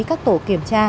các tổ kiểm tra